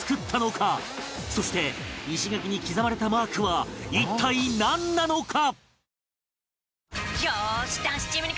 そして石垣に刻まれたマークは一体なんなのか？